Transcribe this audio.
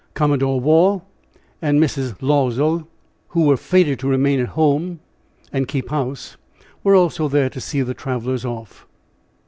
Commodore Waugh, and Mrs. L'Oiseau, who were fated to remain at home and keep house, were also there to see the travelers off.